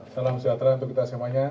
salam sejahtera untuk kita semuanya